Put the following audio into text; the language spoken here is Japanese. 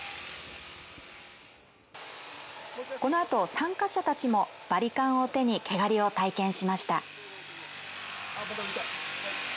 参加者たちもバリカンを手に毛刈りを体験しました。